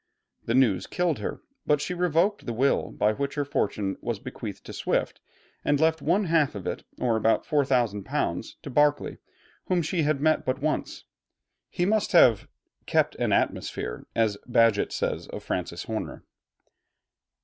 The news killed her, but she revoked the will by which her fortune was bequeathed to Swift, and left one half of it, or about £4,000, to Berkeley, whom she had met but once. He must have "kept an atmosphere," as Bagehot says of Francis Horner.